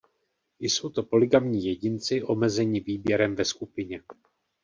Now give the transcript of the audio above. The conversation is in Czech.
Jsou to polygamní jedinci omezení výběrem ve skupině.